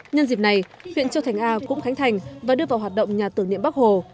nhân dịp này huyện châu thành a cũng khánh thành và đưa vào hoạt động nhà tưởng niệm bắc hồ